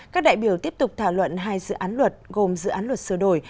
các đại biểu tiếp tục thảo luận hai dự án luật gồm dự án luật sửa đổi